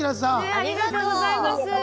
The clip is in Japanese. ありがとうございます。